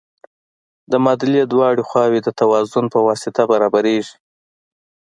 د معادلې دواړه خواوې د توازن په واسطه برابریږي.